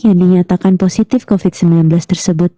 yang dinyatakan positif covid sembilan belas tersebut